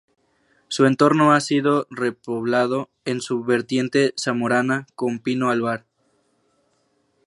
Su entorno ha sido repoblado, en su vertiente zamorana, con pino albar.